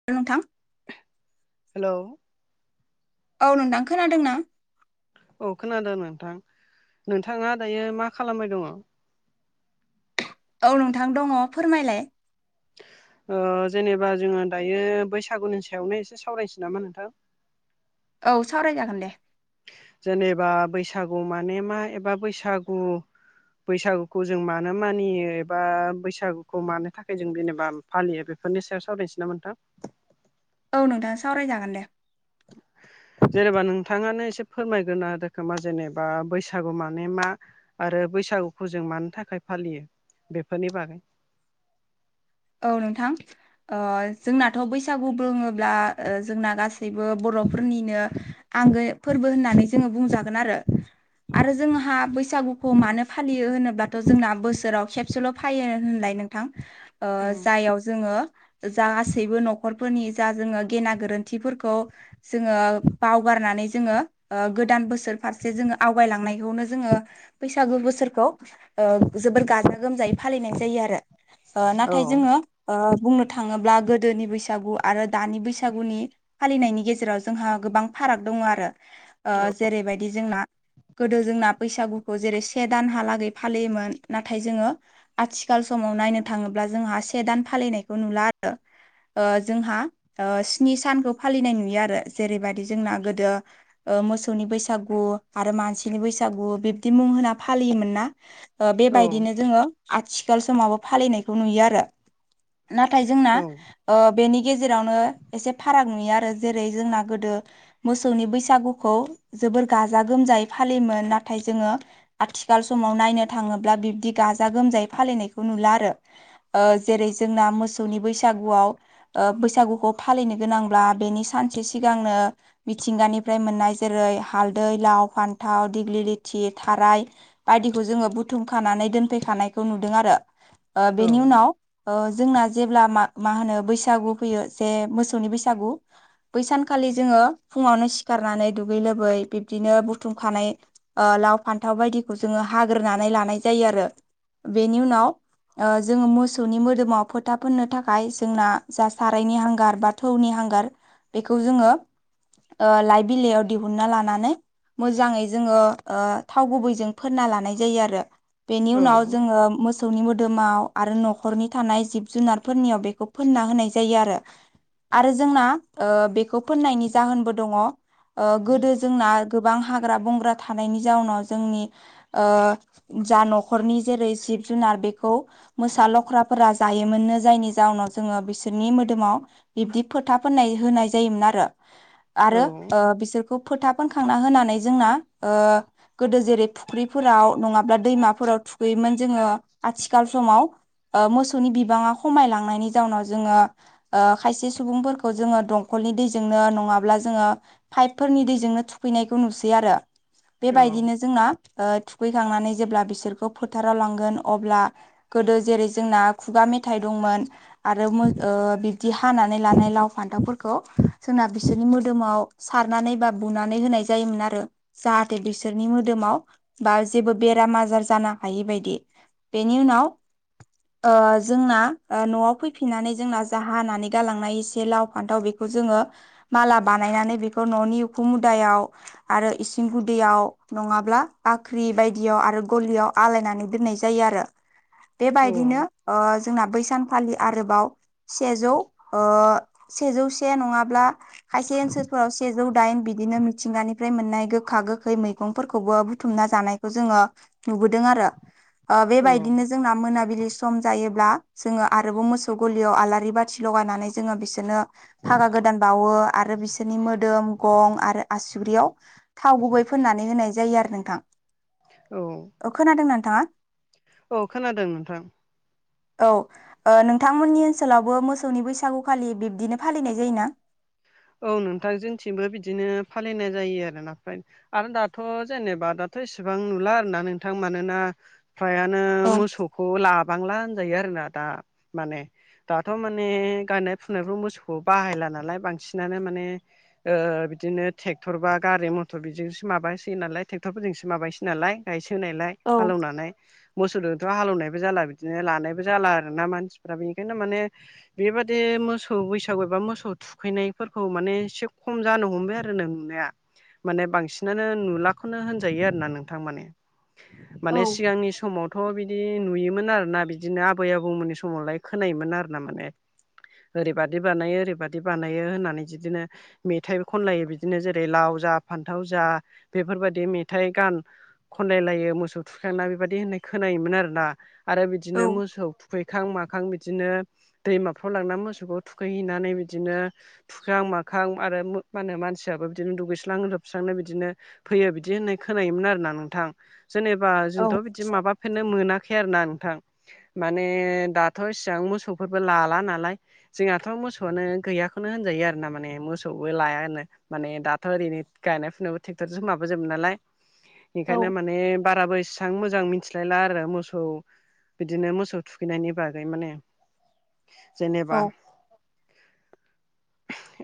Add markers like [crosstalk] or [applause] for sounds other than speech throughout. [unintelligible] नोंथां हेलौ औ नोंथां खोनादों ना? औ खोनादों नोंथां नोंथाङा दायो मा खालामबाय दङ? औ नोंथां दङ फोरमायलाय ओ जेनेबा जोङो दायो बैसागुनि सायावनो एसे सावरायनोसै नामा नोंथां? औ सावरायजागोन दे जेनेबा बैसागु माने मा एबा बैसागु बैसागुखौ जों मानो मानियो एबा बैसागुखौ मानो थाखाय जों जेनेबा फालियो बेफोरनि सायाव सावरायनोसै नामा नोंथां औ नोंथां सावरायजागोन दे जेनेबा नोंथाङानो एसे फोरमायग्रोना होदो खोमा जेनेबा बैसागु माने मा? आरो बैसागुखौ जों मानो थाखाय फालियो बेफोरनि बागै औ नोंथां ओ जोंनाथ' बैसागु बुङोब्ला ओ जोंना गासैबो बर'फोरनिनो आंगो फोरबो होननानै जोङो बुंजागोन आरो आरो जोंहा बैसागुखौ मानो फालियो होनोब्लाथ' जोंना बोसोराव खेबसेल' फायो होनलाय नों नोंथां ओ औ जायाव जोङो जा गासैबो न'खरफोरनि जा जोङो गेना गोरोन्थिफोरखौ जोङो बावगारनानै जोङो ओ गोदान बोसोर फारसे जोङो आवगायलांनायखौनो जोङो बैसागु बोसोरखौ ओ जोबोर गाजा गोमजायै फालिनाय जायो आरो ओ औ नाथाय जोङो बुंनो थाङोब्ला गोदोनि बैसागु आरो दानि बैसागुनि फालिनायनि गेजेराव जोंहा गोबां फाराग दङ आरो ओ जेरैबायदि जोंना गोदो जोंना बैसागुखौ जेरै से दानहालागै फालियोमोन नाथाय जोङो आथिखाल समाव नायनो थाङोब्ला जोंहा से दान फालिनायखौ नुला आरो ओ जोंहा स्नि सानखौ फालिनाय नुयो आरो जेरैबायदि जोंना गोदो ओ मोसौनि बैसागु आरो मानसिनि बैसागु बिब्दि मुं होना फालियोमोन ना? ओ औ बेबायदिनो जोङो आथिखाल समाव फालिनायखौ नुयो आरो नाथाय जोंना औ ओ बेनि गेजेरावनो एसे फाराग नुयो आरो जेरै जोंना गोदो मोसौनि बैसागुखौ जोबोर गाजा गोमजायै फालियोमोन नाथाय जोङो आथिखाल समाव नायनो थाङोब्ला बिबदि गाजा गोमजायै फालिनायखौ नुला। ओ-आरो जेरै जोंना मोसौनि बैसागुआव। ओ-बैसागुखौ फालिनो गोनांब्ला बेनि सानसे सिगांनो। मिथिंगानिफ्राय मोननाय जेरै हालदै, लाव, फान्थाव, दिग्लि-लिथि, थाराय। बायदिखौ जोङो बुथुमखानानै दोनफैखानायखौ नुदों आरो ओ-बेनि उनाव। ओ-जोंना जेब्लामा- मा होनो बैसागु फैयो जे मोसौनि बैसागु। बैसानखालि जोङो फुङावनो सिखारनानै दुगै लोबै बिब्दिनो बुथुमखानाय लाव फान्थाव बायदिखौ जोङो हाग्रोनानै लानाय जायो आरो। बेनि उनाव ओ-जोङो मोसौनि मोदोमाव फोथा फोननो थाखाय जोंना जा सारायनि हांगार बा थौनि हांगार। बेखौ जोङो ओ लाइ बिलाइयाव दिहुनना लानानै मोजाङै जोङो ओ थाव गुबैजों फोनना लानाय जायो आरो बेनि औ औ उनाव जोङो मोसौनि मोद दोमाव आरो न'खरनि थानाय जिब जुनारफोरनियाव बेखौ फोनना होनाय जायो आरो आरो जोंना ओ बेखौ फोननायनि जाहोनबो दङ ओ गोदो जोंना गोबां हाग्रा बंग्रा थानायनि जाउनाव जोंनि ओ जा न'खरनि जेरै जिब जुनार बे खौ मोसा लख्राफोरा जायोमोननो जायनि जाउनाव जोङो बिसोरनि मोदोमाव बिब्दि फोथा फोनाय होनाय जायोमोन आरो औ आरो ओ बिसोरखौ फोथा फोनखांना होनानै जोंना ओ- गोदो जेरै फुख्रिफोराव नङाब्ला दैमाफोराव थुखैयोमोन जोङो आथिखाल समाव ओ- मोसौनि बिबाङा खमायलांनायनि जाउनाव जोङो ओ- खायसे सुबुंफोरखौ जोङो दंखलनि दैजोंनो नङाब्ला जोङो पाइपफोरनि दैजोंनो थुखैनायखौ नुसै आरो। औ बेबायदिनो जोंना ओ-थुखैखांनानै जेब्ला बिसोरखौ फोथाराव लांगोन अब्ला गोदो जेरै जोंना खुगा मेथाइ दंमोन। आरो मो ओ-बिब्दि हानानै लानाय लाव फान्थावफोरखौ जोंना बिसोरनि मोदोमाव सारनानै बा बुनानै होनाय जायोमोन आरो जाहाथे बिसोरनि मोदोमाव बा जेबो बेराम आजार जानो हायि बायदि। बेनि उनाव ओ-जोंना न'आव फैफिननानै जोंना जा हानानै गालांनाय एसे लाव फान्थाव बे खौ जोङो माला बानायनानै बेखौ न'नि उखु मुदायाव आरो इसिं गुदैयाव नङाब्ला बाख्रि बायदियाव आरो गलियाव आलायनानै दोननाय जायो आरो बेबायदिनो औ ओ-जोंना बैसान फालि आरोबाव सेजौ ओ-सेजौ से नङाब्ला खायसे ओनसोलफोराव सेजौ दाइन बिदिनो मिथिंगानिफ्राय मोननाय गोखा गोखै मैगंफोरखौबो बुथुमना जानाय खौ जोङो नुबोदों आरो औ ओ-बेबायनो जोंना मोननबिलि सम जायोब्ला जोङो आरोबाव मोसौ गलियाव आलारि बाथि लगायनानै जोङो बिसोरनो फागा गोदान बावो आरो बिसोरनि मोदोम गं आरो आसुग्रियाव थाव गुबै फोननानै होनाय जायो आरो नोंथां। औ। औ खोनादों नोंथाङा? औ खोनादों नोंथां। औ नोंथांमोननि ओनसोलावबो मोसौनि बैसागुखालि बिब्दिनो फालिनाय जायोना? औ नोंथां जोंथिंबो बिदिनो फालिनाय जायो आरो ना फ्राय। आरो दाथ' जेनेबा दाथ' इसेबां नुला आर ना नोंथां मानोना फ्रायानो औ मोसौखौ लाबांला होनजायो आरोना दा। माने दाथ' माने गाननाय फुनायफ्राव मोसौखौ बाहायला नालाय बांसि सिनानो माने। ओ-बिदिनो ट्रेक्टर बा गारि मथर बिजोंसो माबायसै नालाय ट्रेक्टरफोरजोंसो माबायसै नालाय। गायसोनायलाय औ हालौवनानै। मोसौजोंथ' हालेवनायबो जाला बिदिनो लानायबो जाला आरोना मानसिफ्रा बेनिखायनो माने बेबादि मोसौ बैसागु एबा मोसौ थुखैनाय फोरखौ माने एसे खम जानो हमबाय आरो नों नुटनाया माने बांसिनानो नुलाखौनो होनजायो आरो ना नोंथां माने औ माने सिगांनि समाव थ' बिदि नुयोमोन आरोना बिदिनो आबै आबौमोननि समावलाय खोनायोमोन आर ना माने ओरैबादि बानायो ओरैबादि बानायो होननानै बिदिनो मेथाइबो खनलायो बिदिनो जेरै लाव जा फान्थाव जा बेफोरबायदि मेथाइ गान खनलायलायो मोसौ थुखांना बेबायदि होननाय खोनायोमोन आरोना आरो बिदिनो औ मोसौ थुखैखां माखां बि बिदिनो दैमाफ्राव लांनानै मोसौखौ थुखैहैनानै बिदिनो। हुखां माखां आरो मा होनो मानसियाबो बिदिनो दुगैस्रांनो लोबस्रांनो बिदिनो फैयो बिदि होननाय खोनायोमोन आरोना नोंथां जेनेबा औ जोंथ' बिदि माबा। खोनो मोनाखै आरोना नोंथां माने दाथ' एसेबां मोसौफोरबो लाला नालाय। जोंहाथ' मोसौआनो गैयाखौनो होनजायो आरो ना माने मोसौबो लायानो। माने दाथ' ओरैनो गायनाय फुनायावबो ट्रेक्टरजोंसो माबाजोबो नालाय। ओंखायनो माने बाराबो इस आं मोजां मिथिलायला आरो मोसौ बिदिनो मोसौ थुखैनायनि बागै माने। जेनेबा औ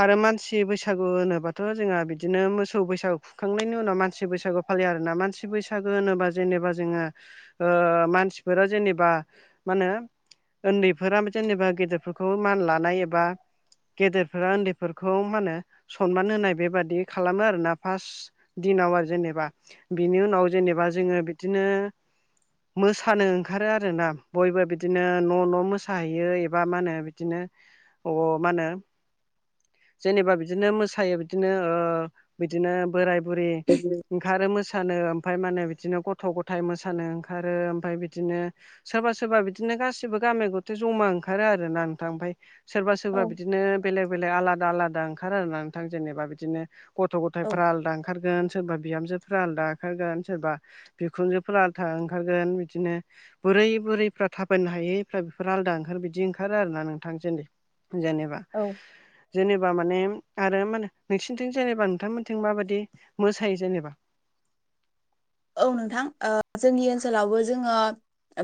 आरो मानसि बैसागु होनोबाथ' जोंहा बिदिनो मोसौ बैसागु खुंखांनायनि उनाव मानसि बैसागु फालियो आरोना मानसि बैसागो होनोबा जेनेबा जोङो ओ मानसिफोरा जेनेबा मा होनो उन्दैफोरा जेनेबा गेदेरफोरखौ मान लानाय एबा गेदेर फोरा उन्दैफोरखौ मा होनो सनमान होनाय बेबादि खालामो आरोना फार्स्ट दिनाव आरो जेनेबा बिनि उनाव जेनेबा जोङो बिदिनो मोसानो ओंखारो आरोना बयबो बिदिनो न' न' मोसाहैयो एबा मा होनो बिदिनो अ मा होनो जेनेबा बिदिनो मोसायो बिदिनो ओ बिदिनो बोराय बुरि ओंखारो मोसानो ओमफाय मानो बिदिनो गथ' गथाइ मोसानो ओंखारो ओमफाय बिदिनो सोरबा सोरबा बिदिनो गासिबो गामिया गथे जमा ओंखारो आरोना नोंथां ओमफाय सोरबा सोरबा औ बिदिनो बेलेग बेलेक आलादा आलादा ओंखार आर नोंथां जेनेबा बिदिनो गथ' गथायफ्रा आलदा ओंखारगोन सोरबा बिहामजोफ्रा आलदा ओंखारगोन सोरबा बिखुनजोफोरा आथा ओंखारगोन बिदिनो बोरै बुरैफ्रा थाबायनो हायैफ्रा बेफोर आलादा ओंखारो बिदि ओंखारो आरोना नोंथां जो जेनेबा औ जेनेबा माने आरो मा होनो नोंसिनिथिं जेनेबा नोंथांमोनथिं माबायदि मोसायो जेनेबा औ नोंथां ओ जोंनि ओनसोलावबो जोङो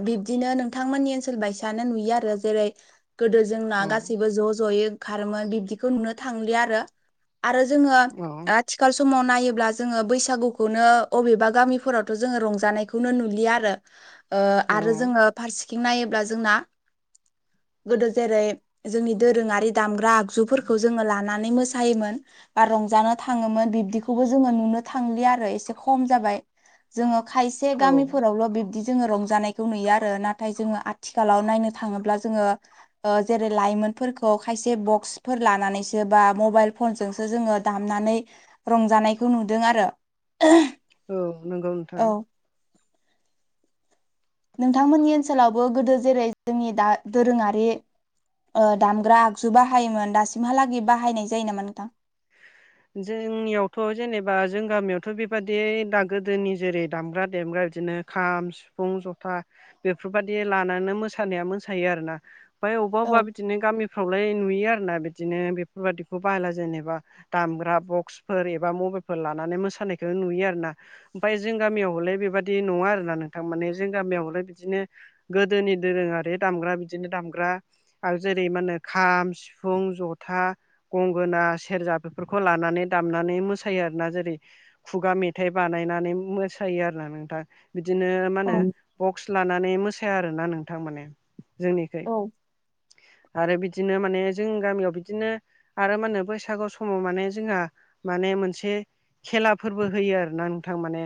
बिब्दिनो नोंथांमोननि ओनसोल बायसानो नुयो आरो जेरै गोदो जोंना औ गासैबो ज' ज'यै ओंखारोमोन बिब्दिखौ नुनो थांलिया आरो आरो जोङो औ आथिखाल समाव नायोब्ला जोङो बैसागुखौनो अबेबा गामि फोरावथ' जोङो रंजानायखौनो नुलिया आरो औ आरो जोङो फारसेथिं नायोब्ला जोंना गोदो जेरै जोंनि दोरोङारि दामग्रा आगजुफोरखौ जोङो लानानै मोसायोमोन बा रंजानो थाङोमोन बिबदिखौबो जोङो नुनो थांलि आरो एसे खम जाबाय जोङो खायसे औ गामिफोरावल' बिबदि जोङो रंजानाय बेखौ नुयो आरो नाथाय जोङो आथिखालाव नायनो थाङोब्ला जोङो ओ जेरै लाइमोनफोरखौ खायसे बक्स फोर लानानैसो बा मबाइल फनजोंसो जोङो दामनानै रंजानायखौ नुदों आरो [unintelligible] औ नोंगौ औ नोंथांमोननि ओनसोलावबो गोदो जेरै जोंनि दा दोरोङारि दामग्रा आगजु बाहायोमोन दासिमहालागै बाहायनाय जायो नामा नोंथां? जोंनियावथ' जेनेबा जों गामियावथ' बेबादि दा गोदोनि जेरै दामग्रा देग्रा बिदिनो खाम सिफुं जथा बेफोरबायाददि लानानैनो मोसानाया मोसायो आरोना। ओमफ्राय अबेबा औ अबेबा बिदिनो गामिफ्रावलाय नुयो आरोना बिदिनो बेफोरबादिखौ बाहायला जेनेबा दामग्रा बक्सफोर एबा मबाइलफोर लानानै मोसानायखौ नुयो आरोना। ओमफ्राय जों गामियावलाय बेबादि नङा आरोना नोंथां माने जों गामियावलाय बिदिनो गोदोनि दोरोङारि दामग्रा बिदिनो दामग्रा आरो जेरै मा होनो खाम सिफुं जथा गंगोना सेरजा बेफोरखौ लानानै दामनानै मोसायो आरो ना जेरै खुगा मेथाइ बानायनानै मोसायो आरोना नोंथां बिदिनो मा औ होनो बक्स लानानै मोसाया आरोना नोंथां माने जोंनिखाय औ आरो बिदिनो माने जों गामियाव बिदिनो आरो मा होनो बैसागु समाव माने जोंहा माने मोनसे खेलाफोरबो होयो आरो ना नोंथां माने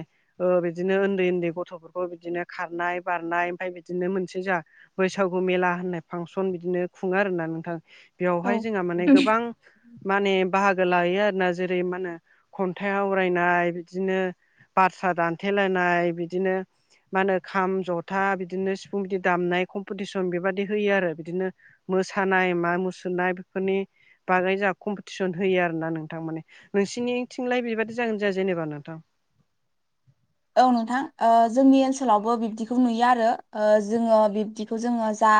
बिदिनो उन्दै उन्दै गथ'फोरखौ बिदिनो खारनाय बारनाय ओमफ्राय बिदिनो मोनसे जा बैसागु मेला होननाय फांसन बिदिनो खुङो आरो ना नोंथां। औ बेवहाय जोंहा माने गोबां माने बाहागो लायो आरोना। जेरै मा होनो खन्थाइ आवरायनाय बिदिनो बारसा दानथेलायनाय बिदिनो मा होनो खाम जथा बिदिनो सिफुं बिदि दामनाय कम्पिटिसन बेबादि होयो आरो बिदिनो मोसानाय मा मुसुरनाय बेफोरनि बागै जोंहा कम्पिटि टिसन होयो आरो ना नोंथां। माने नोंसिनिथिंलाय बेबादि जागोन्ना जाया जेनेबा नोंथां? औ नोंथां ओ जोंनि ओनसोलावबो बिब्दिखौ नुयो आरो जोङो बिब्दिखौ जोङो जा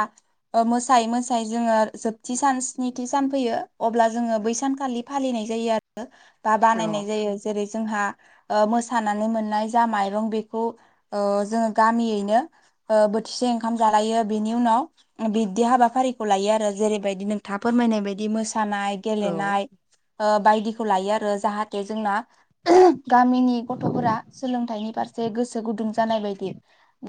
मोसायै मोसायै जोङो जोबथि सान स्निथि सान फैयो। अब्ला जोङो बैसानखालि फालिनाय जायो आरो बा बानायनाय औ जायो। जेरै जोंहा मोसानानै मोननाय जा माइरं बेखौ ओ जोङो गामियैनो बोथिसे ओंखाम जालायो बेनि उनाव बिबदि हाबाफारिखौ लायो आरो जेरैबायदि नोंथाआ फोरमायनाय बादि मोसानाय। औ गेलेनाय बायदिखौ लायो आरो जाहाथे जोंना गामिनि गथ'फोरा सोलोंथाइनि फारसे गोसो गुदुं जानाय बायदि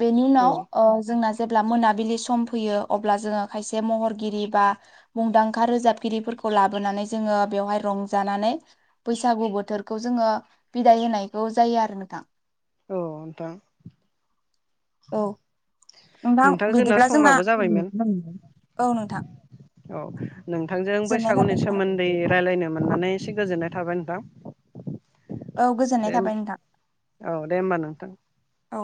बेनि औ उनाव जोंना जेब्ला मोनाबिलि सम फैयो अब्ला जोङो खायसे महरगिरि बा मुंदांखा रोजाबगिरिफोरखौ लाबोनानै जोङो बेवहाय रंजानानै बैसागु बोथोरखौ जोङो बिदाय होनायखौ जायो आरो नोंथां। औ नोंथां। औ नोंथां बिदिब्ला जोंना औ नोंथां। औ नोंथांजों गोजोननाय बैसागुनि थाबाय नोंथां सोमोन्दै रायज्लायनो मोननानै एसे गोजोननाय थाबाय नोंथां। औ गोजोननाय दे थाबाय नोंथां औ दे होमबा नोंथां औ।